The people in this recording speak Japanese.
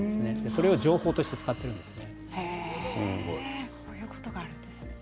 それを情報として使っているんです。